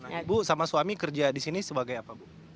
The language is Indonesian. nah ibu sama suami kerja di sini sebagai apa bu